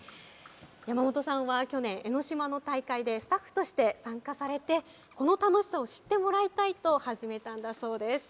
山本さんは去年、江ノ島の大会でスタッフとして参加されて、この楽しさを知ってもらいたいと、始めたんだそうです。